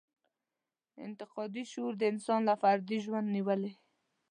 انتقادي شعور د انسان له فردي ژوند نېولې.